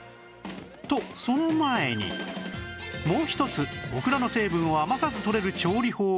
とその前にもう一つオクラの成分を余さずとれる調理法を